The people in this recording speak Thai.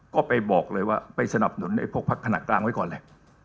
ก็ไปบอกเลยว่าไปสนับสนุนพักขณะกลางไว้ก่อนเลย